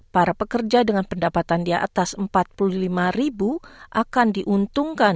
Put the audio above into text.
para pekerja dengan pendapatan di atas empat puluh lima ribu akan diuntungkan